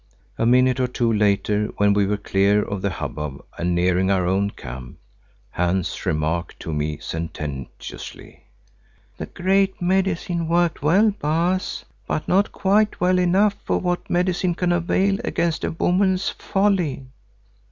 A minute or two later when we were clear of the hubbub and nearing our own camp, Hans remarked to me sententiously, "The Great Medicine worked well, Baas, but not quite well enough, for what medicine can avail against a woman's folly?"